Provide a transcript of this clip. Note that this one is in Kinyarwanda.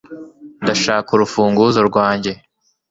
ndashaka urufunguzo rwanjye